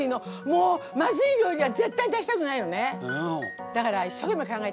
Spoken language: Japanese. もうまずい料理は絶対出したくないのね。